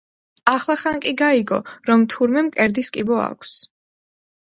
ახლახან კი გაიგო, რომ თურმე მკერდის კიბო აქვს.